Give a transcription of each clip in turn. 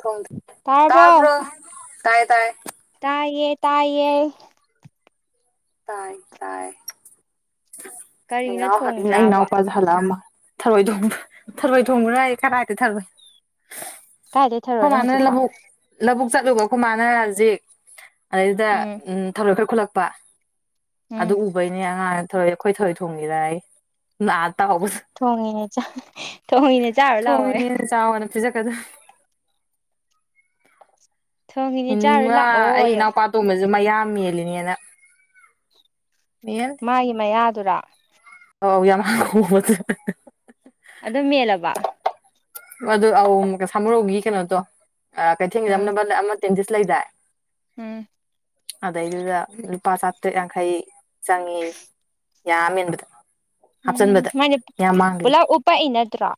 ꯊꯣꯡ ꯊ ꯇꯥꯔꯕꯣ ꯇꯕ꯭ꯔꯣ ꯇꯥꯢꯌꯦ ꯇꯥꯢꯌꯦ ꯇꯥꯏꯌꯦ ꯇꯥꯏꯌꯦ ꯇꯥꯏ ꯇꯥꯏ ꯀꯔꯤꯅꯣ ꯏꯅꯥꯎ ꯑꯩ ꯊꯣꯡꯗ꯭ꯔꯕ ꯏꯅꯥꯎꯄꯥ ꯍꯂꯛ ꯑꯝꯃ ꯊꯔꯣꯏ ꯊꯣꯡꯕ ꯊꯔꯣꯏ ꯊꯣꯡꯕ꯭ꯔꯌꯦ ꯀꯔꯥꯏꯗꯩ ꯊꯔꯣꯏ ꯀꯥꯏ ꯈꯣꯏ ꯂꯩꯊꯔꯨꯏꯅꯣ ꯃꯥꯅ ꯍꯧꯖꯤꯛꯄꯣ ꯂꯕꯨꯛ ꯂꯕꯨꯛ ꯆꯠꯂꯨꯕ ꯀꯨꯃꯥꯅ ꯍꯧꯖꯤꯛ ꯑꯗꯩꯗꯨꯗ ꯎꯝ ꯊꯔꯣꯏ ꯈꯔ ꯈꯨꯠꯂꯛꯄ ꯑꯗꯨ ꯎꯝ ꯎꯕꯩꯅꯦ ꯑꯉꯥꯡ ꯊꯔꯣꯏ ꯑꯩꯈꯣꯏ ꯊꯔꯣꯏ ꯊꯣꯡꯉꯤꯔꯥꯌꯦ ꯉꯥ ꯑꯇꯥꯎꯕꯁꯨ ꯊꯣꯡꯉꯤꯅꯦ ꯆꯥꯛ ꯊꯣꯡꯉꯤꯅꯦ ꯆꯥꯔꯨ ꯂꯥꯛꯑꯣꯌꯣ ꯊꯣꯡꯉꯤꯅꯦꯅ ꯆꯥꯎꯋꯣꯅ ꯄꯤꯔꯛ ꯀꯗꯥ ꯊꯣꯡꯉꯤꯅꯦ ꯎꯝ ꯆꯥꯔꯨ ꯉ ꯑꯩ ꯂꯥꯛꯑꯣꯌꯣ ꯏꯅꯥꯎꯄ ꯑꯇꯣꯝꯕꯁꯨ ꯃꯌꯥ ꯃꯦꯜꯂꯤꯅꯦꯅ ꯃꯦꯜꯂꯤ ꯃꯥꯒꯤ ꯃꯌꯥꯗꯨꯔꯥ ꯑꯧ ꯌꯥꯝ ꯍꯣ [unintelligible] ꯑꯗꯨ ꯃꯦꯜꯂꯕ ꯃꯗꯨ ꯑꯧꯃꯨꯛꯀ ꯁꯥꯃꯨꯔꯧꯒꯤ ꯀꯩꯅꯣꯗꯣ ꯑ ꯀꯩꯊꯦꯜꯒꯤꯗ [unintelligible] ꯑꯃ ꯗꯦꯟꯇꯤꯁ ꯂꯩꯗꯥꯏ ꯎꯝ ꯑꯗꯩꯗꯨꯗ ꯂꯨꯄꯥ ꯆꯥꯇ꯭ꯔꯦꯠ ꯌꯥꯡꯈꯩ ꯆꯪꯉꯦꯌꯦ ꯌꯥ ꯃ ꯃꯦꯟꯕꯗ ꯎꯝ ꯍꯥꯞꯆꯤꯟꯕꯗ ꯃꯣꯏ ꯌꯥꯝ ꯃꯥꯡꯈꯤꯗ ꯄꯨꯂꯞ ꯎꯄꯛꯏ ꯅꯠꯇ꯭ꯔꯣ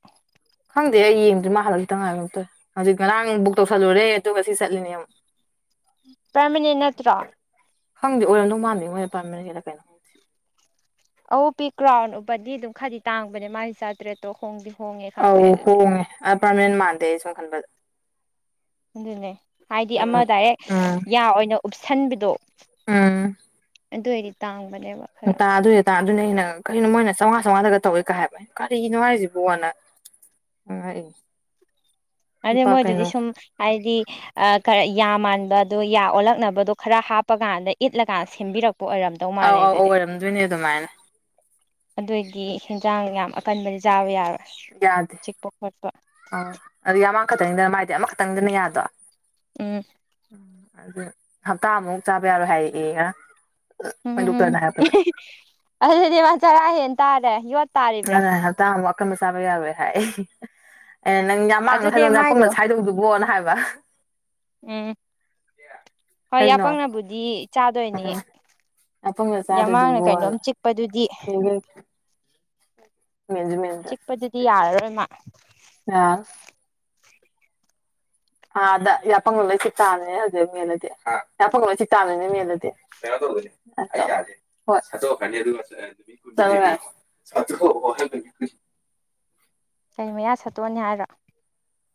ꯈꯪꯗꯦ ꯑꯩ ꯌꯦꯡꯗꯦ ꯃꯥ ꯍꯜꯂꯛꯇ ꯉꯥꯏꯔ ꯀꯩꯅꯣꯝ ꯇꯣꯏ ꯍꯧꯖꯤꯛ ꯉꯔꯥꯡ ꯕꯨꯛ ꯇꯧꯁꯜꯂꯨꯔꯦ ꯑꯗꯨꯒ ꯉꯁꯤ ꯆꯠꯂꯤꯅꯦ ꯑꯃꯨꯛ [inaudible] ꯄꯔꯃꯤꯅꯦꯟ ꯅꯠꯇ꯭ꯔꯣ ꯈꯪꯗꯦ ꯑꯣꯏꯔꯝꯗꯧ ꯃꯥꯟꯗꯦ ꯃꯣꯏꯗꯣ ꯄꯔꯃꯤꯅꯦꯟꯂ ꯀꯩꯅꯣ ꯈꯪꯗꯦ ꯑꯎꯞꯄꯤ ꯀ꯭ꯔꯥꯎꯟ ꯎꯞꯄꯗꯤ ꯑꯗꯨꯝ ꯈꯗꯤ ꯇꯥꯡꯕꯅꯦ ꯃꯥꯒꯤ ꯆꯥꯇ꯭ꯔꯦꯠꯇꯣ ꯍꯣꯡꯗꯤ ꯍꯣꯡꯉꯦ ꯈꯪꯗꯦ ꯑꯧ ꯑꯗꯨꯗꯤ ꯍꯣꯡꯉꯦ ꯑ ꯄꯥꯔꯃꯦꯅꯦꯟ ꯃꯥꯟꯗꯦ ꯑꯩ ꯁꯨꯝ ꯈꯟꯕꯗ ꯑꯗꯨꯅꯦ ꯍꯥꯏꯗꯤ ꯁꯨꯝ ꯑꯃ ꯗꯥꯏꯔꯦꯛ ꯎꯝ ꯌꯥ ꯑꯣꯏꯅ ꯎꯞꯁꯟꯕꯗꯣ ꯑꯗꯨ ꯑꯣꯏꯗꯤ ꯇꯥꯡ ꯇꯥ ꯑꯗꯨꯏ ꯇꯥ ꯑꯗꯨꯅꯦ ꯑꯩꯅ ꯀꯩꯅꯣ ꯃꯣꯏꯅ ꯆꯥꯝꯉꯥ ꯆꯝꯉꯥꯗꯒ ꯇꯧꯋꯦ ꯀꯥꯏ ꯍꯥꯏꯕ ꯑꯩꯅ ꯀꯔꯤꯅꯣ ꯍꯥꯏꯁꯤꯕꯣꯅ ꯉꯛꯏꯅꯦ ꯑꯗꯩ ꯃꯣꯏꯗꯨꯗꯤ ꯁꯨꯝ ꯍꯥꯏꯗꯤ ꯑ ꯀꯔꯛꯏ ꯌꯥ ꯃꯥꯟꯕ ꯑꯗꯣ ꯌꯥ ꯑꯣꯜꯂꯛꯅꯕꯗꯣ ꯈꯔ ꯍꯥꯞꯄꯀꯥꯟꯗ ꯏꯠꯂꯀꯥꯟ ꯁꯦꯝꯕꯤꯔꯛ ꯄꯣ ꯑꯣꯏꯔꯝꯗꯧ ꯑꯧ ꯃꯥꯜꯂꯦ ꯑꯧ ꯑꯧ ꯑꯗꯨꯗꯤ ꯑꯣꯏꯔꯝꯗꯣꯏꯅꯦ ꯑꯗꯨꯃꯥꯏꯅ ꯑꯗꯣꯏꯗꯤ ꯍꯤꯟꯖꯥꯡ ꯌꯥꯝ ꯑꯀꯟꯕꯗꯤ ꯆꯥꯕ ꯌꯥꯔꯣꯏ ꯌꯥꯗꯦ ꯑ ꯆꯤꯛꯄ ꯈꯣꯠꯄ ꯥꯥꯥꯥꯥꯥꯥ ꯑꯗꯣ ꯌꯃꯥꯡ ꯈꯛꯇꯪꯅꯤꯅ ꯃꯥꯏꯗꯤ ꯑꯃꯈꯛꯇꯪꯅꯤꯗꯅ ꯌꯥꯗꯣ ꯎꯝ ꯑꯗꯨ ꯍꯞꯇꯥꯃꯨꯛ ꯆꯥꯕ ꯌꯥꯔꯣꯏ ꯍꯥꯏꯔꯛꯑꯦꯌꯦ ꯉꯔꯥꯡ ꯑꯩꯈꯣꯏ ꯎꯝ ꯗꯣꯛꯇꯔꯅ ꯍꯥꯏꯔꯛꯄꯗ [unintelligible] ꯑꯗꯨꯗꯤ ꯃꯥ ꯆꯔꯥ ꯍꯦꯟ ꯇꯥꯔꯦ ꯌꯣꯠ ꯇꯥꯔꯤꯕ꯭ꯔꯥ ꯑꯗ ꯍꯞꯇ ꯑꯃꯨꯛ ꯑꯀꯟꯕ ꯆꯥꯕ ꯌꯥꯔꯣꯢ ꯍꯥꯏ [unintelligible] ꯑꯩꯅ ꯅꯪ ꯌꯥ ꯃꯥꯡꯅ ꯑꯗꯨꯅꯦ ꯁꯥꯏꯗꯧ ꯌꯥꯄꯪꯅ ꯃꯥꯏꯗꯣ ꯁꯥꯏꯗꯧꯗꯨꯕꯣꯅ ꯍꯥꯏꯕ ꯎꯝ ꯍꯣꯏ ꯀꯩꯅꯣ ꯌꯥꯄꯪꯅꯕꯨꯗꯤ ꯆꯥꯗꯣꯏꯅꯦ ꯎꯝ ꯌꯥꯄꯪꯅ ꯌꯥꯝꯥꯡꯅ ꯀꯩꯅꯣꯝ ꯆꯥꯗꯣꯏꯗꯨꯕꯣꯅ ꯆꯤꯛꯄꯗꯨꯗꯤ ꯃꯦꯟꯁꯨ ꯃꯦꯟꯗ꯭ꯔꯦ ꯆꯤꯛꯄꯗꯨꯗꯤ ꯌꯥꯔꯔꯣꯏ ꯃꯥ ꯉꯔꯥꯡ ꯑꯥꯗ ꯌꯥꯄꯪ ꯂꯣꯏ ꯆꯤꯛꯇꯅꯤꯅꯦ ꯍꯧꯖꯤ ꯃꯦꯜꯂꯗꯤ ꯌꯥꯄꯪ ꯂꯣꯏ ꯆꯤꯛ ꯇꯥꯅꯤꯅ ꯃꯦꯜꯂꯗꯤ [unintelligible] [unintelligible] ꯀꯩ ꯃꯌꯥ ꯁꯠꯇꯣꯛꯑꯅꯤ ꯍꯥꯏꯔꯣ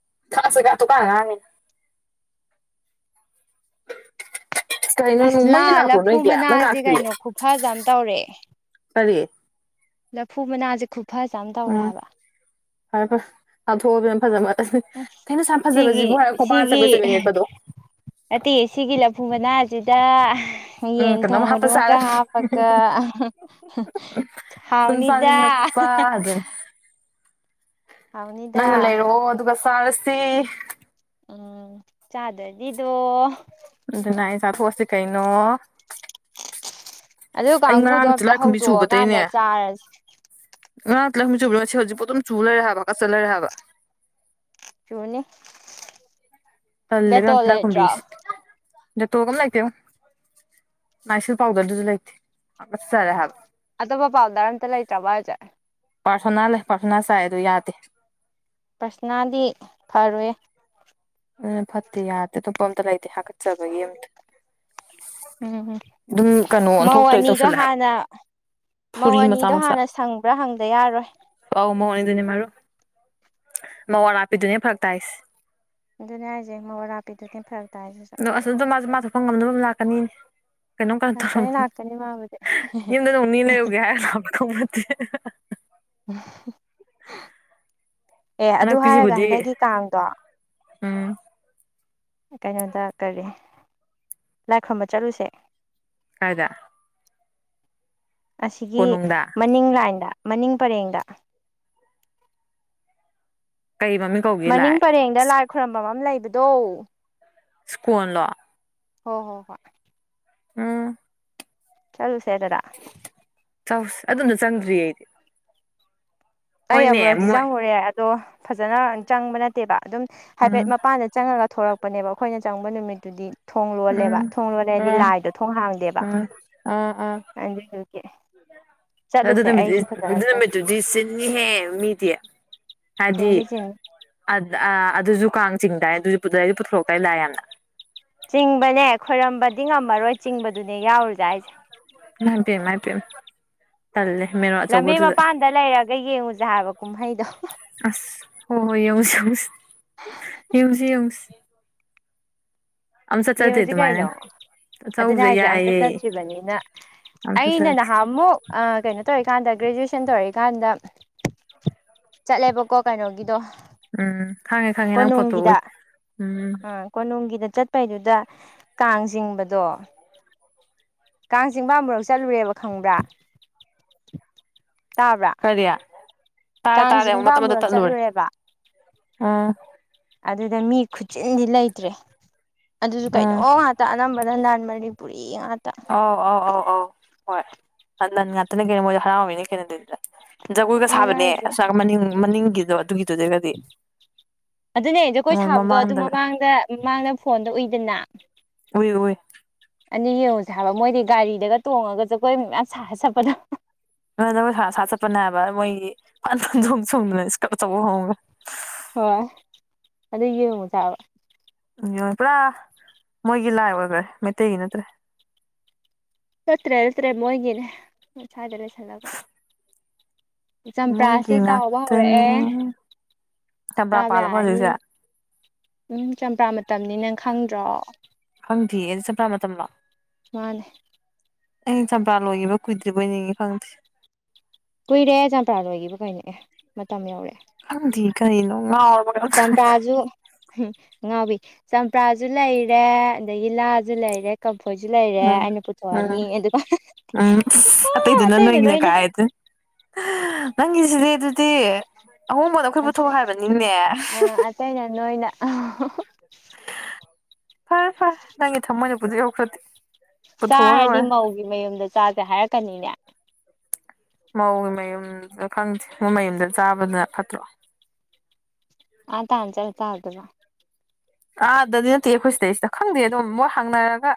[unintelligible] ꯀꯩꯅꯣ ꯑꯁ ꯅꯨꯡ ꯂꯥ ꯃꯩ ꯂꯥꯛꯄ꯭ꯔꯣ ꯂꯐꯨ ꯅꯣꯏꯗꯤ ꯃꯩ ꯃꯅꯥꯁꯦ ꯂꯥꯛꯇꯤꯌꯦ ꯀꯩꯅꯣ ꯈꯨꯐꯖ ꯑꯃ ꯇꯧꯔꯦ ꯀꯔꯤ ꯂꯐꯨ ꯃꯅꯥꯁꯦ ꯈꯨꯐꯖ ꯑꯃ ꯇꯧꯔꯦ ꯎꯝ ꯍꯥꯏꯕ ꯐꯔꯦ ꯐꯔꯦ ꯆꯥꯊꯣꯛꯎ ꯏꯕꯦꯝꯃ ꯐꯖꯃꯟ ꯎꯝ ꯁꯤꯒꯤ ꯁꯤꯒꯤ ꯆꯕꯦꯠ ꯆꯕꯦꯠ ꯅꯦꯠꯄꯗꯣ ꯅꯠꯇꯤꯌꯦ ꯁꯤꯒꯤ ꯂꯐ ꯐꯨ ꯃꯅꯥꯖꯤꯗ ꯎꯝ ꯌꯦꯟ ꯀꯩꯅꯣꯝ ꯍꯥꯞꯄ ꯊꯣꯡꯕꯗꯨꯃꯒ ꯆꯥꯔꯅꯤ ꯍꯥꯞꯄꯒ [unintelligible] ꯍꯥꯎꯅꯤꯗ ꯐꯥ ꯖꯩ ꯍꯥꯎꯅꯤꯗ ꯅꯪꯅ ꯂꯩꯔꯛꯑꯣ ꯑꯗꯨꯒ ꯆꯥꯔꯁꯤ ꯎꯝ ꯆꯥꯗꯗꯤꯗꯣ ꯑꯗꯨꯅ ꯑꯩ ꯆꯥꯊꯣꯛꯑꯁꯤ ꯀꯩꯅꯣ ꯑꯗꯨ ꯑꯩ ꯀꯥꯡꯒꯨꯗꯣ ꯉꯔꯥꯡ ꯑꯝꯇ ꯇꯤꯜꯂꯥꯏꯈꯨꯝꯕꯤ ꯍꯧꯗꯣꯛꯑꯀꯥꯟꯗ ꯆꯨꯕꯗꯩꯅꯦ ꯆꯥꯔꯁꯤ ꯉꯔꯥꯡ ꯇꯤꯜꯂꯥꯏꯈꯨꯝꯕꯤ ꯆꯨꯕꯗꯣ ꯉꯁꯤ ꯍꯧꯖꯤꯛꯄꯨ ꯑꯗꯨꯝ ꯆꯨ ꯂꯩꯔꯦ ꯍꯥꯏꯕ ꯍꯥꯥꯒꯠꯆ ꯂꯩꯔꯦ ꯍꯥꯏꯕ ꯆꯨꯅꯤ ꯇꯜꯂꯦ ꯏꯕꯦꯝ ꯗꯦꯇꯣꯜ ꯂꯩꯇ꯭ꯔꯣ ꯇꯤꯜꯂꯥꯏꯀꯨꯝꯕꯤꯁꯦ ꯗꯦꯇꯣꯜꯒ ꯑꯃ ꯂꯩꯇꯦꯉꯣ ꯅꯥꯏꯁꯤꯜ ꯄꯥꯎꯗ꯭ꯔꯗꯨꯁꯨ ꯂꯩꯇꯦ ꯍꯥꯒꯠꯆꯔꯦ ꯍꯥꯏꯕ ꯑꯇꯣꯞꯄ ꯄꯥꯎꯗꯔ ꯑꯝꯇ ꯂꯩꯇ꯭ꯔꯕꯣ ꯍꯥꯏꯖꯦ ꯄꯥꯔꯁꯣꯅꯥ ꯂꯩ ꯄꯥꯔꯁꯣꯅꯥ ꯆꯥꯏ ꯑꯗꯣ ꯌꯥꯗꯦ ꯄ꯭ꯔꯁꯣꯅꯥꯗꯤ ꯐꯔꯣꯏꯌꯦ ꯑ [unintelligible] ꯐꯠꯇꯦ ꯌꯥꯗꯦ ꯑꯇꯣꯞꯄ ꯑꯝꯇ ꯂꯩꯇꯦ ꯍꯥꯒꯠꯆꯕꯒꯤ ꯑꯝꯇ ꯎꯝ ꯑꯗꯨꯝ ꯀꯩꯅꯣ ꯃꯧ ꯑꯣꯟꯊꯣꯛꯇꯣꯏ ꯑꯅꯤꯗꯣ ꯇꯧꯁꯜꯂꯦ ꯍꯥꯏꯕ ꯍꯥꯟꯅ ꯃꯧ ꯐꯨꯔꯤ ꯃꯆꯥ ꯑꯅꯤꯗꯣ ꯃꯆꯥ ꯍꯥꯟꯅ ꯁꯪꯕ꯭ꯔꯥ ꯍꯪꯗ ꯌꯥꯔꯣꯏ ꯑꯧ ꯃꯧꯅꯤ ꯑꯗꯨꯅꯦ ꯃꯔꯨ ꯃꯧꯑꯔꯥꯞꯄꯤꯗꯨꯅꯦ ꯐꯔꯛ ꯇꯥꯏꯁꯦ ꯑꯗꯨꯅꯦ ꯍꯥꯏꯁꯦ ꯃꯧꯑꯔꯥꯞꯄꯤꯗꯨꯗꯤ ꯐꯔꯛ ꯇꯥꯏꯁꯤꯁꯨ ꯑꯗꯣ ꯑꯁ ꯑꯗꯨꯝ ꯃꯥꯁꯨ ꯃꯥ ꯊꯣꯛꯄ ꯉꯝꯅꯕ ꯑꯗꯨꯝ ꯂꯥꯛꯀꯅꯤꯅꯦ ꯀꯩꯅꯣꯝ ꯀꯩꯅꯣꯝ ꯇꯧꯔ ꯂꯥꯛꯀꯅꯤ ꯂꯥꯛꯀꯅꯤ ꯃꯥꯕꯨꯗꯤ ꯌꯨꯝꯗ ꯅꯣꯡꯅꯤꯅꯤ ꯂꯩꯔꯨꯒꯦ ꯍꯥꯏꯔꯒ ꯂꯥꯛꯄ꯭ꯔ ꯈꯪꯄꯣꯠ [unintelligible] ꯑꯦ ꯑꯗꯨ ꯍꯥꯏꯔꯒ ꯑꯅꯛꯄꯤꯁꯤꯕꯨꯗꯤ ꯍꯟꯗꯛꯀꯤ ꯀꯥꯡꯗꯣ ꯎꯝ ꯀꯩꯅꯣꯗ ꯀꯔꯤ ꯂꯥꯏ ꯈꯨꯔꯨꯝꯕ ꯆꯠꯂꯨꯁꯦ ꯀꯥꯏꯗ ꯑꯁꯤꯒꯤ ꯀꯣꯅꯨꯡꯗ ꯃꯅꯤꯡ ꯂꯥꯏꯟꯗ ꯃꯅꯤꯡ ꯄꯔꯦꯡꯗ ꯀꯩ ꯃꯃꯤꯡ ꯀꯧꯒꯦ ꯃꯅꯤꯡ ꯂꯥꯏ ꯄꯔꯦꯡꯗ ꯂꯥꯏ ꯈꯣꯏꯔꯝꯕꯝ ꯑꯝ ꯂꯩꯕꯗꯣ ꯁ꯭ꯀꯣꯟ ꯂꯣ ꯍꯣ ꯍꯣ ꯍꯣꯏ ꯎꯝ ꯆꯠꯂꯨꯁꯦ ꯑꯗꯨꯗ ꯆꯧꯁ ꯑꯗꯨꯝꯅ ꯆꯪꯗ꯭ꯔꯤꯌꯦ ꯑꯩꯗꯤ ꯑꯩ ꯍꯣꯏꯅꯦ ꯑꯃꯨꯔꯛꯇꯤ ꯃꯣꯏ ꯆꯪꯉꯨꯔꯦ ꯑꯗꯣ ꯐꯖꯅ ꯆꯪꯕ ꯅꯠꯇꯦꯕ ꯑꯗꯨꯝ ꯍꯥꯏꯐꯦꯠ ꯎꯝ ꯃꯄꯥꯟꯗ ꯆꯪꯉꯒ ꯊꯣꯔꯛꯄꯅꯦꯕ ꯑꯩꯈꯣꯏꯅ ꯆꯪꯕ ꯅꯨꯃꯤꯠꯇꯨꯗꯤ ꯊꯣꯡ ꯂꯣꯜꯂꯦꯕ ꯎꯝ ꯊꯣꯡ ꯂꯣꯜꯂꯦ ꯍꯥꯏꯗꯤ ꯎꯝ ꯂꯥꯏꯗꯣ ꯊꯣꯡ ꯍꯥꯡꯗꯦꯕ ꯎꯝ ꯎꯝ ꯎꯝ ꯑꯗꯨꯗꯨꯒꯤ ꯑꯗꯨ ꯆꯠꯂꯨꯁꯦ ꯅꯃꯤꯠꯇꯨꯗꯤ ꯑꯩꯁꯨ ꯐꯖꯅ ꯑꯗꯨ ꯆꯠꯇ꯭ꯔꯤ ꯅꯃꯤꯠꯇꯨꯗꯤ ꯆꯤꯟ ꯅꯤꯍꯦ ꯃꯤꯗꯤ ꯍꯥꯏꯗꯤ ꯆꯤꯟꯗꯤ ꯆꯤꯟꯅꯤ ꯑꯗ ꯑꯥ ꯑꯗꯨꯁꯨ ꯀꯥꯡ ꯆꯤꯡꯗꯥꯏ ꯑꯗꯨꯁꯨ ꯄꯨꯗꯩ ꯄꯨꯊꯣꯔꯛꯇꯥꯏ ꯂꯥꯏ ꯌꯥꯝꯅ ꯆꯤꯡꯕꯅꯦ ꯈꯣꯏꯔꯝꯕꯗꯤ ꯉꯝꯃꯔꯣꯏ ꯆꯤꯡꯕꯗꯨꯅꯦ ꯌꯥꯎꯔꯨꯖꯦ ꯍꯥꯏꯖꯦ ꯃꯥꯏꯄꯦꯝ ꯃꯥꯏꯄꯦꯝ ꯂꯝꯕꯤ ꯃꯄꯥꯟꯗ ꯂꯩꯔꯒ ꯌꯦꯡꯉꯨꯖꯦ ꯍꯥꯏꯕ ꯀꯨꯝꯍꯩꯗꯣ [unintelligible] ꯑꯁ ꯍꯣ ꯍꯣꯏ ꯌꯦꯎꯁꯤ ꯌꯦꯎꯁꯤ ꯌꯦꯡꯎꯁꯤ ꯌꯦꯎꯁꯤ ꯌꯦꯡꯎꯖꯤ ꯀꯩꯅꯣ ꯑꯗꯨꯃꯥꯏꯅ ꯑꯗꯨꯅꯦ ꯆꯧꯁꯦ ꯍꯥꯏꯖꯦ ꯑꯝꯇ ꯌꯥꯏꯌꯦ ꯆꯠꯇ꯭ꯔꯤꯕꯅꯤꯅ ꯑꯝ ꯑꯩꯅ ꯆꯠꯆꯗꯦ ꯅꯍꯥꯟꯃꯨꯛ ꯑ ꯀꯩꯅꯣ ꯇꯧꯋꯦ ꯆꯠ ꯀꯥꯟꯗ ꯒ꯭ꯔꯦꯖꯨꯌꯦꯁꯟ ꯇꯧꯔꯤꯀꯥꯟꯗ ꯆꯠꯂꯦꯕꯀꯣ ꯀꯩꯅꯣꯒꯤꯗꯣ ꯎꯝ ꯈꯪꯉꯦ ꯈꯪꯉꯦ ꯅꯪ ꯐꯣꯇꯣ ꯀꯣꯅꯨꯡꯒꯤꯗ ꯎꯏ ꯎꯝ ꯑ ꯀꯣꯅꯨꯡꯒꯤꯗ ꯆꯠ ꯄꯩꯗꯨꯗ ꯀꯥꯡ ꯆꯤꯡꯕꯗꯣ ꯀꯥꯡ ꯆꯤꯡꯕꯥ ꯑꯃꯨꯔꯛ ꯆꯠꯂꯨꯔꯦꯕ ꯈꯪꯕ꯭ꯔꯥ ꯇꯥꯕ꯭ꯔꯥ ꯀꯔꯤ ꯇꯥꯔꯦ ꯀꯥꯡ ꯇꯥꯔꯦ ꯑꯃꯨꯛ ꯆꯤꯡꯕ ꯃꯇꯠ ꯃꯇꯠ ꯑꯃꯨꯔꯛ ꯇꯠꯂꯨꯔꯦ ꯆꯠꯂꯨꯔꯦꯕ ꯎꯝ ꯑꯗꯨꯗ ꯃꯤ ꯈꯨꯆꯤꯟꯗꯤ ꯂꯩꯇ꯭ꯔꯦ ꯑꯗꯨꯁꯨ ꯀꯩꯅꯣ ꯎꯝ ꯉꯥꯛꯇ ꯑꯅꯝꯕꯅ ꯅꯟ ꯃꯅꯤꯄꯨꯔꯤ ꯉꯥꯛꯇ ꯑꯧ ꯑꯧ ꯑꯧ ꯑꯧ ꯍꯣꯏ ꯅꯟ ꯉꯥꯛꯇꯅꯤ ꯀꯩꯅꯣ ꯃꯣꯏꯁꯨ ꯍꯔꯥꯎꯔꯤꯅꯤ ꯀꯩꯅꯣ ꯑꯗꯨꯗ ꯖꯒꯣꯏꯒ ꯑꯗꯨꯅ ꯁꯥꯕꯅꯦ ꯍꯥꯏꯁꯦ ꯑꯁ ꯃꯅꯤꯡ ꯃꯅꯤꯡꯒꯤꯗꯣ ꯑꯗꯨꯒꯤꯗꯨꯗꯒꯗꯤ ꯑꯗꯨꯅꯦ ꯖꯒꯣꯏ ꯃꯣꯏ ꯁꯥꯕꯗꯣ ꯑꯗꯨ ꯃꯃꯥꯡꯗꯒ ꯃꯃꯥꯡꯗ ꯃꯃꯥꯡꯗ ꯐꯣꯟꯗ ꯎꯏꯗꯅ ꯎꯏ ꯎꯏ ꯑꯅꯤ ꯌꯦꯡꯉꯨꯁꯦ ꯍꯥꯏꯕ ꯃꯣꯏꯗꯤ ꯒꯥꯔꯤꯗꯒ ꯇꯣꯡꯉꯒ ꯖꯒꯣꯏ ꯃꯌꯝ ꯁꯥꯔꯒ ꯆꯠꯄꯗꯣ ꯅꯣꯏ ꯅꯣꯏ ꯁꯥ ꯁꯥ ꯆꯠꯄꯅꯦꯕ ꯃꯣꯏꯒꯤ ꯐꯟ ꯐꯟ ꯆꯣꯡ ꯆꯣꯡꯗꯅ ꯏꯁꯀꯔ꯭ꯠ ꯑꯆꯧꯕ ꯍꯣꯡꯒ ꯍꯣꯏ ꯑꯗꯨ ꯌꯦꯡꯉꯨꯁꯤ ꯍꯥꯢꯕ ꯄꯨꯔꯥ ꯃꯣꯏꯒꯤ ꯂꯥꯏ ꯑꯣꯏꯒ꯭ꯔꯦ ꯃꯩꯇꯩꯒꯤ ꯅꯠꯇ꯭ꯔꯦ ꯅꯠꯇ꯭ꯔꯦ ꯅꯠꯇ꯭ꯔꯦ ꯃꯣꯏꯒꯤꯅꯦ ꯁ꯭ꯋꯥꯏꯗ ꯂꯩꯁꯜꯂꯒ ꯆꯝꯄ꯭ꯔꯥꯁꯦ ꯃꯣꯏꯒꯤ ꯆꯥꯎꯕ ꯉꯥꯛꯇꯅꯤ ꯍꯧꯔꯛꯑꯦ ꯆꯝꯄ꯭ꯔꯥ ꯆꯥꯕ ꯄꯥꯂꯕꯣ ꯌꯥꯔꯅꯤ ꯍꯧꯖꯤꯛꯁꯦ ꯎꯝ ꯆꯝꯄ꯭ꯔꯥ ꯃꯇꯝꯅꯤ ꯅꯪ ꯈꯪꯗ꯭ꯔꯣ ꯈꯪꯗꯦ ꯑꯗꯨ ꯆꯝꯄ꯭ꯔꯥ ꯃꯇꯝ ꯂꯣ ꯃꯥꯅꯦ ꯑꯩ ꯆꯝꯄ꯭ꯔꯥ ꯂꯣꯏꯒꯤꯕ ꯀꯨꯏꯗ꯭ꯔꯤꯕꯣꯏ ꯅꯤꯡꯉꯤ ꯈꯪꯗꯦ ꯀꯨꯏꯔꯦ ꯆꯝꯄ꯭ꯔꯥ ꯂꯣꯏꯈꯤꯕ ꯀꯩꯅꯣ ꯑꯦ ꯃꯇꯝ ꯌꯧꯔꯦ ꯈꯪꯗꯦ ꯀꯔꯤꯅꯤ ꯉꯥꯎꯔꯕꯣ ꯆꯝꯄ꯭ꯔꯥꯁꯨ ꯉꯥꯎꯕꯤ ꯆꯝꯄ꯭ꯔꯥꯁꯨ ꯂꯩꯔꯦ ꯑꯗꯒꯤ ꯂꯥꯁꯨ ꯂꯩꯔꯦ ꯐꯣꯏꯁꯨ ꯂꯩꯔꯦ ꯎꯝ ꯑꯩꯅ ꯄꯨꯊꯣꯛꯑꯅꯤ ꯎꯝ ꯑꯗꯨꯒ ꯎꯝ ꯑ ꯑꯇꯩꯩꯅ ꯅꯣꯏꯅ ꯍꯥ ꯅꯪꯒꯤꯖꯤꯗꯤ ꯑꯗꯨꯗꯤ ꯑꯍꯣꯡꯕꯗꯣ ꯑꯈꯣꯏ ꯄꯨꯊꯣꯛ ꯍꯥꯏꯕꯅꯤꯅꯦ ꯑꯇꯩꯅ ꯅꯣꯏꯅ ꯐꯔꯦ ꯐꯔꯦ ꯅꯪꯒꯤ ꯊꯃꯣꯏꯅꯕꯨ ꯑꯗꯨ ꯌꯧꯈ꯭ꯔꯗꯤ ꯄꯨꯊꯣꯛꯑ ꯆꯥꯔꯗꯤ ꯂꯣꯏꯔꯦ ꯃꯧꯒꯤ ꯃꯌꯨꯝꯗ ꯆꯥꯁꯦ ꯍꯥꯏꯔꯛꯀꯅꯤꯅꯦ ꯃꯧꯒꯤ ꯃꯌꯨꯝꯗ ꯈꯪꯗꯦ ꯃꯣꯏ ꯃꯌꯨꯝꯗ ꯆꯥꯕꯗꯨꯅ ꯐꯠꯇ꯭ꯔꯣ ꯑꯥ ꯇꯥꯥꯅ ꯆꯠꯂ ꯆꯥꯔꯨꯗꯣꯢꯕ ꯑꯥꯗꯗꯤ ꯅꯠꯇꯦ ꯑꯩꯈꯣꯏ ꯁꯤꯗꯩꯁꯤꯗ ꯈꯪꯗꯦ ꯑꯗꯨꯝ ꯃꯣꯏ ꯍꯥꯡꯅꯔꯒ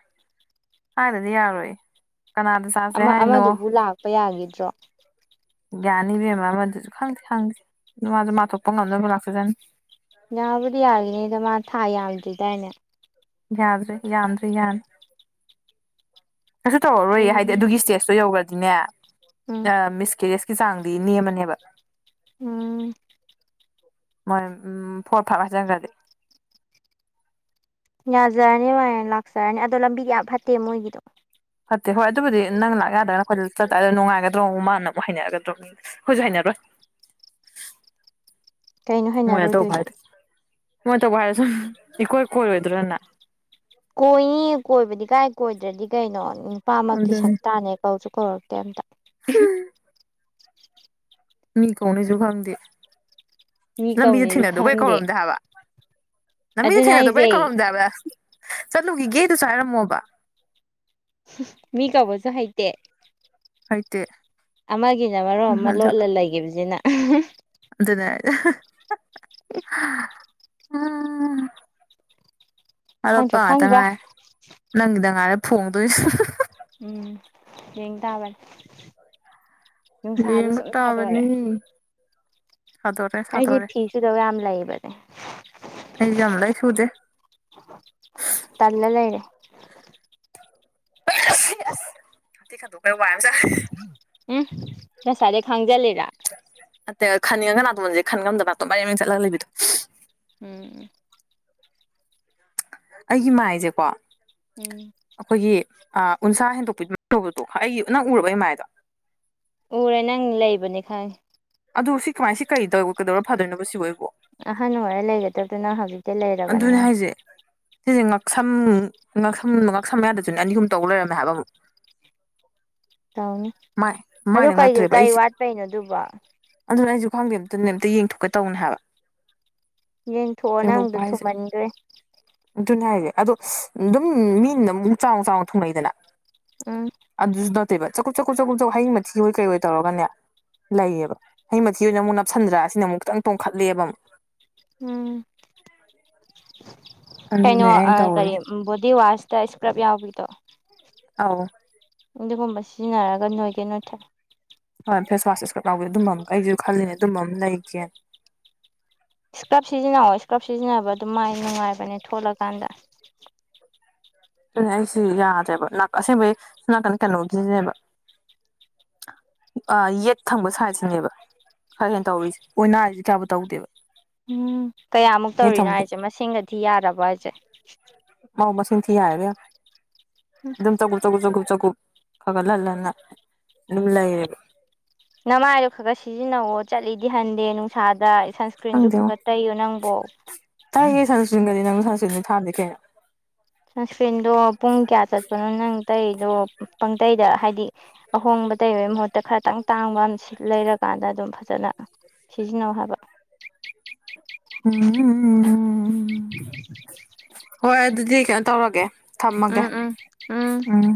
ꯍꯥꯏꯅꯗꯤ ꯌꯥꯔꯣꯏ ꯀꯅꯥꯗ ꯆꯥꯁꯦ ꯑꯃ ꯍꯥꯏꯅꯣ ꯑꯃꯗꯨꯕꯨ ꯂꯥꯛꯄ ꯌꯥꯈꯤꯗ꯭ꯔꯣ ꯌꯥꯅꯤ ꯏꯕꯦꯝꯃ ꯑꯃꯗꯨꯁꯨ ꯈꯪꯗꯦ ꯈꯪꯗꯦ ꯃꯥꯁꯨ ꯃꯥ ꯊꯣꯛꯄ ꯉꯝꯅꯕ ꯂꯥꯛꯆ ꯖꯅꯤ ꯌꯥꯕꯨꯗꯤ ꯌꯥꯔꯤꯅꯤꯗ ꯃꯥ ꯊꯥ ꯌꯥꯝꯗ꯭ꯔꯤꯗꯥꯏꯅꯦ ꯌꯥꯗ꯭ꯔꯦ ꯌꯥꯝꯗ꯭ꯔꯤ ꯌꯥꯟ ꯀꯩꯁꯨ ꯇꯧꯔꯔꯣꯏ ꯍꯥꯏꯗꯤ ꯎꯝ ꯑꯗꯨꯒꯤ ꯁ꯭ꯇꯦꯖꯇꯣ ꯌꯧꯈ꯭ꯔꯗꯤꯅꯦ ꯃꯤꯁ ꯀꯦꯔꯦꯖ ꯆꯥꯡꯗꯤ ꯅꯦꯝꯃꯅꯦꯕ ꯎꯝ ꯃꯣꯏ ꯎꯝ ꯐꯣꯔ ꯐꯥꯏꯚ ꯍꯥꯏꯖꯟꯈ꯭ꯔꯗꯤ ꯌꯥꯖꯔꯅꯤ ꯃꯥꯥꯏ ꯂꯥꯛꯆꯔꯅꯤ ꯑꯗꯣ ꯂꯝꯕꯤ ꯌꯥꯝ ꯐꯠꯇꯦ ꯃꯣꯏꯒꯤꯗꯣ ꯐꯠꯇꯦ ꯍꯣꯏ ꯑꯗꯨꯕꯨꯗꯤ ꯅꯪ ꯂꯥꯛ ꯌꯥꯗ꯭ꯔꯅ ꯑꯩꯈꯣꯏꯗ ꯆꯠꯇꯥꯔꯦꯗ ꯅꯨꯡꯉꯥꯏꯒꯗ꯭ꯔ ꯃꯨꯛ ꯃꯥꯅ ꯑꯃꯨꯛ ꯍꯩꯅꯔꯒꯗ꯭ꯔꯣ ꯑꯩꯈꯣꯏꯁꯨ ꯍꯩꯅꯔꯣꯏ [inaudible] ꯀꯩꯅꯣ ꯍꯥꯏꯅꯔꯣꯏꯗꯣꯏꯁꯦ ꯃꯣꯢ ꯇꯧꯕ ꯍꯥꯢꯔꯁꯨ ꯏꯀꯣꯏ ꯀꯣꯢꯔꯣꯏꯗ꯭ꯔꯅꯦ ꯀꯣꯏꯅꯤ ꯀꯣꯏꯕꯗꯤ ꯀꯥꯏ ꯀꯣꯏꯗ꯭ꯔꯗꯤ ꯀꯩꯅꯣ ꯅꯨꯄꯥꯃꯛꯀꯤ ꯑꯗꯨꯅꯤ ꯁꯛꯇꯥꯅꯦ ꯀꯧꯁꯨ ꯀꯧꯔꯛꯇꯦ ꯀꯦꯝꯇ ꯎꯍꯨꯝ ꯃꯤ ꯀꯧꯅꯩꯁꯨ ꯈꯪꯗꯦ ꯃꯤ ꯂꯝꯕꯤꯁꯨ ꯀꯧꯅꯤꯁꯨ ꯊꯦꯡꯅꯗꯨꯕꯨ ꯍꯦꯛ ꯈꯪꯗꯦ ꯀꯧꯔꯝꯗꯦ ꯍꯥꯏꯕ ꯂꯝꯕꯤꯗ ꯑꯗꯨꯅ ꯑꯩꯁꯦ ꯊꯦꯡꯅꯗꯕꯩ ꯀꯧꯔꯝꯗꯦꯕ ꯍꯥꯏꯕ ꯆꯠꯂꯨꯈꯤꯒꯦ ꯑꯗꯨꯁꯨ ꯍꯥꯏꯔꯝꯃꯣꯕ ꯃꯤ ꯀꯧꯕꯁꯨ ꯍꯩꯇꯦ ꯍꯥꯏꯇꯦ ꯑꯃꯒꯤꯅ ꯃꯔꯣꯟꯃ ꯑꯃ ꯂꯣꯠꯂ ꯂꯩꯈꯤꯕꯁꯤꯅ ꯑꯗꯨꯅꯦ ꯎꯝ ꯑꯔꯣꯠꯄ ꯈꯪꯗ꯭ꯔꯦ ꯉꯥꯛꯇ ꯈꯪꯗ꯭ꯔꯦ ꯉꯥꯔꯦ ꯅꯪꯒꯤꯗ ꯉꯥꯏꯔꯦ ꯐꯣꯡꯗꯣꯏꯁꯦ ꯎꯝ ꯌꯦꯡ ꯇꯥꯔꯦ ꯅꯨꯡꯁꯥꯗꯤ ꯌꯦꯡꯕ ꯁꯨꯝ ꯁꯥꯥꯗꯣꯔꯛꯑꯦ ꯁꯥꯗꯣꯔ ꯔꯦ ꯁꯥꯗꯣꯔꯔꯦ ꯁꯨꯗꯧ ꯌꯥꯝ ꯂꯩꯕꯅꯦ ꯑꯩ ꯌꯥꯝ ꯂꯩ ꯁꯨꯗꯦ ꯇꯂ ꯂꯩꯔꯦ ꯍꯥꯊꯤ ꯈꯟꯊꯣꯛꯄ ꯋꯥꯏ ꯑꯝ ꯁꯡꯉꯦ ꯎꯝ ꯉꯁꯥꯏꯗꯩ ꯈꯥꯡꯖꯤꯂꯤꯔꯥ ꯅꯠꯇꯦ ꯈꯟꯅꯤꯡꯉꯒ ꯅꯥꯇꯣꯟꯁꯦ ꯈꯟ ꯉꯝꯗꯕ ꯅꯥꯇꯣꯟꯁꯦ ꯃꯔꯦꯡ ꯃꯔꯦꯡ ꯆꯠꯂ ꯂꯩꯕꯤꯗꯣ ꯎꯝ ꯑꯩꯒꯤ ꯃꯥꯏꯁꯦꯀꯣ ꯎꯝ ꯑꯩꯈꯣꯏꯒꯤ ꯎꯟꯁꯥ ꯍꯦꯟꯗꯣꯛꯄꯤꯕ ꯇꯧꯕꯗꯣ ꯑꯩꯒꯤ ꯅꯪ ꯎꯔꯕ ꯃꯥꯏꯗꯣ [inaudible] ꯎꯔꯦ ꯅꯪ ꯂꯩꯕꯅꯤ ꯈꯪꯉꯦ ꯑ ꯁꯤ ꯀꯃꯥꯏ ꯁꯤ ꯀꯩꯗ ꯀꯩꯗꯧꯔ ꯐꯗꯣꯏꯅꯣ ꯁꯤꯕꯨ ꯑꯩꯕꯣ ꯑꯍꯟ ꯑꯣꯏꯔ ꯂꯩꯒꯗꯕꯗꯣ ꯑꯗꯣ ꯅꯡ ꯍꯧꯖꯤꯛ ꯑꯗꯨꯅꯦ ꯍꯥꯏꯁꯦ ꯁꯤꯁꯦ ꯉ ꯉꯛꯁꯝ ꯉꯛꯁꯝ ꯉꯥꯛꯁꯝ ꯃꯌꯥꯗꯁꯨꯅꯦ ꯑꯅꯤ ꯑꯍꯨꯝ ꯇꯧ ꯂꯩꯔꯝꯃꯦ ꯍꯥꯏꯕ ꯑꯃꯨꯛ ꯇꯧꯅꯤ ꯃꯥꯏ ꯑꯗꯨ ꯃꯥꯏꯗ ꯀꯩ ꯅꯠꯇ꯭ꯔꯦꯕ ꯀꯩ ꯑꯩꯁꯦ ꯋꯥꯠꯄꯩꯅꯣ ꯑꯗꯨꯕꯣ ꯑꯗꯨꯅ ꯑꯩꯁꯨ ꯈꯪꯗꯦ ꯑꯝꯇꯅꯦ ꯑꯝꯇ ꯌꯦꯡꯊꯣꯛꯀꯦ ꯇꯧꯅꯤ ꯍꯥꯏꯕ ꯌꯦꯡ ꯊꯣꯛꯑꯣ ꯅꯪ ꯄꯥꯏꯁꯦ ꯑꯗꯨꯅꯦ ꯍꯥꯏꯁꯦ ꯑꯗꯣ ꯑꯗꯨꯝ ꯃꯤꯅ ꯑꯃꯨꯛ ꯆꯥꯎꯅ ꯆꯥꯎꯅ ꯊꯨꯡꯅꯩꯗꯅ ꯎꯝ ꯑꯗꯨꯁꯨ ꯅꯠ ꯇꯦꯕ ꯆꯥꯛꯀꯨꯞ ꯆꯀꯨꯞ ꯆꯥꯛꯀꯨꯞ ꯆ ꯍꯌꯤꯡ ꯃꯊꯤ ꯍꯣꯏ ꯀꯩꯑꯣꯏ ꯇꯧꯔꯒꯅꯦ ꯂꯩꯌꯦꯕ ꯍꯌꯤꯡ ꯃꯊꯤ ꯑꯣꯏꯅ ꯑꯃꯨꯛ ꯅꯞꯁꯤꯟꯗ꯭ꯔꯥ ꯑꯁꯤꯅ ꯑꯃꯨꯛ ꯈꯤꯇꯪ ꯇꯣꯡꯈꯠꯂꯦꯕ ꯑꯃꯨꯛ ꯎꯝ [inaudible] ꯀꯩꯅꯣ ꯑꯗꯨꯅꯦ ꯑꯩꯅ ꯀꯔꯤ ꯇꯧꯔꯤꯁꯦ ꯕꯣꯗꯤ ꯋꯥꯁꯇ ꯏꯁꯀ꯭ꯔꯕ ꯌꯥꯎꯕꯤꯗꯣ ꯑꯧ ꯑꯗꯤꯒꯨꯝꯕ ꯁꯤꯖꯤꯟꯅꯔꯒ ꯅꯣꯏꯒꯦ ꯅꯣꯏꯊꯣꯛꯑꯣ ꯥꯎꯗꯦ ꯑꯗꯨꯝꯕ ꯑꯃ ꯀꯩꯁꯨ ꯈꯜꯂꯤꯅꯦ ꯑꯗꯨꯝꯕ ꯑꯃ ꯂꯩꯒꯦ ꯏꯁꯀ꯭ꯔꯞ ꯁꯤꯖꯤꯟꯅꯧꯑꯣ ꯏꯁꯀ꯭ꯔꯞ ꯁꯤꯖꯤꯟꯅꯕ ꯑꯗꯨ ꯃꯥꯏ ꯅꯨꯡꯉꯥꯏꯕꯅꯦ ꯊꯣꯠꯂꯀꯥꯟꯗ ꯑꯗꯨ ꯑꯩꯁꯤ ꯌꯥꯗ꯭ꯔꯦꯕ ꯑꯁꯦꯡꯕꯒꯤ ꯅꯥꯀꯟ ꯀꯩꯅꯣꯁꯤꯅꯦꯕ ꯌꯦꯠ ꯊꯪꯕ ꯁꯥꯏꯠꯁꯤꯅꯦꯕ ꯈꯔ ꯍꯦꯟꯅ ꯇꯧꯔꯤꯁꯦ ꯑꯣꯏꯅꯥꯁꯤ ꯀꯌꯥꯕꯨ ꯇꯧꯗꯦꯕ ꯎꯝ ꯀꯌꯥꯃꯨꯛ ꯌꯦꯠ ꯇꯧꯔꯤꯅꯣ ꯊꯪꯕꯗꯤ ꯍꯥꯏꯁꯦ ꯃꯁꯤꯡꯒ ꯊꯤ ꯌꯥꯔꯕꯣ ꯍꯥꯏꯁꯦ ꯑꯧ ꯃꯁꯤꯡ ꯊꯤ ꯌꯥꯔꯦ ꯎꯝ ꯏꯕꯦꯝꯃ ꯑꯗꯨꯝ ꯆꯒꯨꯞ ꯆꯒꯨꯞ ꯆꯒꯨꯞ ꯆꯒꯨꯞ ꯈꯒ ꯂꯟ ꯂꯟ ꯅꯥ ꯑꯗꯨꯝ ꯂꯩꯔꯦꯕ ꯅꯃꯥꯏꯗꯣ ꯈꯔ ꯈꯔ ꯁꯤꯖꯤꯟꯅꯧꯑꯣ ꯆꯠꯂꯤꯗꯤ ꯍꯟꯗꯦ ꯅꯨꯡꯁꯥꯗ ꯁꯟꯁꯀ꯭ꯔꯤꯟꯁꯨ ꯈꯪꯗꯦꯉꯣ ꯈꯒ ꯇꯩꯌꯨ ꯅꯪꯕꯣ ꯄꯦꯃꯦꯟ ꯊꯗꯦ ꯀꯩꯅꯣ ꯁꯟꯁꯀ꯭ꯔꯤꯟꯗꯣ ꯄꯨꯡ ꯀꯌꯥ ꯆꯠꯄꯅꯣ ꯅꯪ ꯇꯩꯕꯤꯗꯣ ꯄꯡ ꯑꯇꯩꯗ ꯍꯥꯏꯗꯤ ꯑꯍꯣꯡꯕ ꯇꯩꯕꯩ ꯃꯍꯨꯠꯇ ꯈꯔꯇꯪ ꯇꯥꯡꯕ ꯑꯃ ꯂꯩꯔꯀꯥꯟꯗ ꯑꯗꯨꯝ ꯐꯖ ꯆꯅ ꯁꯤꯖꯤꯟꯅꯧ ꯍꯥꯏꯕ ꯎꯝ ꯎꯝ ꯎꯝ ꯍꯣꯏ ꯑꯗꯨꯗꯤ ꯀꯩꯅꯣ ꯇꯧꯔꯒꯦ ꯊꯝꯃꯒꯦ ꯎꯝ ꯎꯝ ꯎꯝ